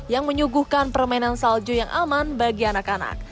yang menyuguhkan permainan salju yang aman bagi anak anak